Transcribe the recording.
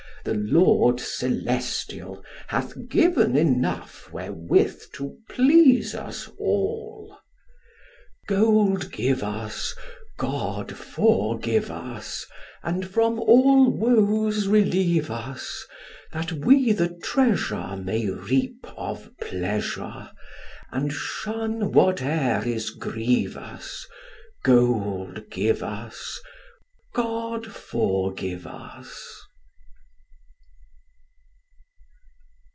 The Lord celestial Hath given enough wherewith to please us all. Gold give us, God forgive us, And from all woes relieve us; That we the treasure May reap of pleasure, And shun whate'er is grievous, Gold give us, God forgive us.